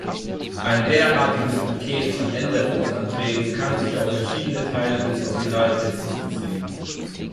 Ein derartiges Paket von Änderungsanträgen kann sich auf verschiedene Teile des Originaltextes beziehen.